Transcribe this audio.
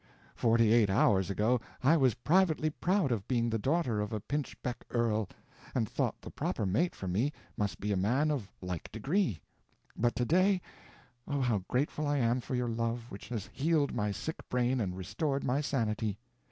Forty eight hours ago I was privately proud of being the daughter of a pinchbeck earl, and thought the proper mate for me must be a man of like degree; but to day—oh, how grateful I am for your love which has healed my sick brain and restored my sanity!